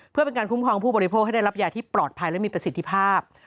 เพื่อเป็นการคุ้มครองผู้บริโภคให้ได้รับยาที่ปลอดภัยและมีประสิทธิภาพ